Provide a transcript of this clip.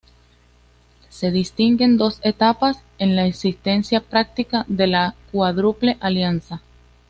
Se distinguen dos etapas en la existencia práctica de la Cuádruple Alianza.